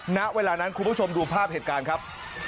ณเวลานั้นคุณผู้ชมดูภาพเหตุการณ์ครับ